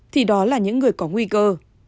thì đó là những người có nguy cơ